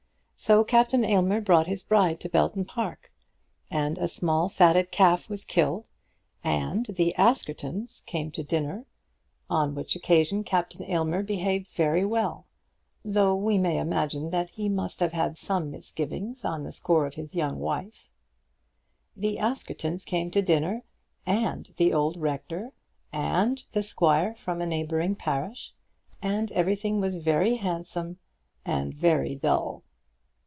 So Captain Aylmer brought his bride to Belton Park, and a small fatted calf was killed, and the Askertons came to dinner, on which occasion Captain Aylmer behaved very well, though we may imagine that he must have had some misgivings on the score of his young wife. The Askertons came to dinner, and the old rector, and the squire from a neighbouring parish, and everything was very handsome and very dull.